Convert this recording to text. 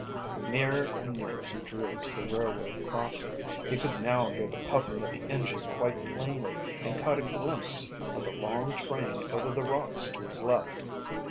Nearer and nearer he drew to the railroad crossing. He could now hear the puffing of the engine quite plainly and caught a glimpse of the long train over the rocks to his left.